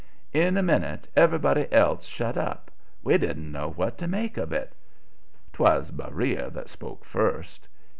In a minute everybody else shut up. We didn't know what to make of it. 'Twas Beriah that spoke first.